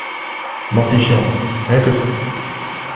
Mortifiante, rien que ça